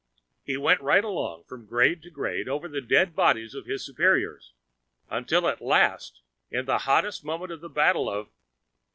He went right along up, from grade to grade, over the dead bodies of his superiors, until at last, in the hottest moment of the battle of...